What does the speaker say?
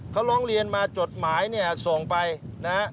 เขาร้องเรียนมาจดหมายเนี่ยส่งไปนะฮะ